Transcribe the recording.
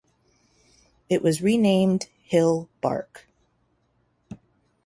It was renamed 'Hill Bark'.